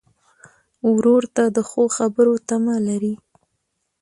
ورور ته د ښو خبرو تمه لرې.